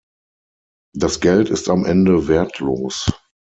Das Geld ist am Ende wertlos.